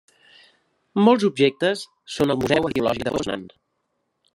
Molts objectes són al Museu Arqueològic de Poznan.